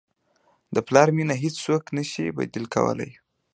د پلار مینه هیڅوک نه شي بدیل کولی.